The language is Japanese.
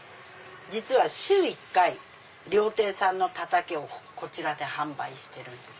実は週１回料亭さんのたたきをこちらで販売してるんです。